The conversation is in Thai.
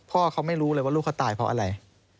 พ่อเขาไม่รู้เลยว่าลูกเขาตายเพราะอะไร